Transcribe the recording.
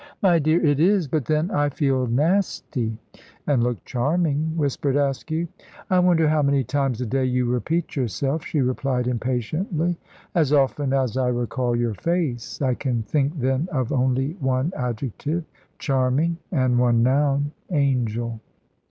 "My dear, it is; but then, I feel nasty." "And look charming," whispered Askew. "I wonder how many times a day you repeat yourself," she replied impatiently. "As often as I recall your face. I can think then of only one adjective, charming, and one noun, angel."